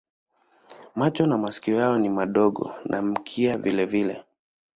Macho na masikio yao ni madogo na mkia vilevile.